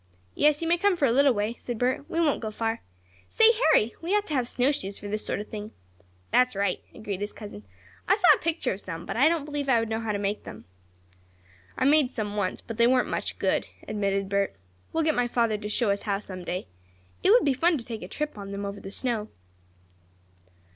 "Yes, you may come for a little way," said Bert. "We won't go far. Say, Harry, we ought to have snowshoes for this sort of thing." "That's right," agreed his cousin. "I saw a picture of some, but I don't believe I would know how to make them." "I made some once, but they weren't much good," admitted Bert. "We'll get my father to show us how some day. It would be fun to take a trip on them over the snow."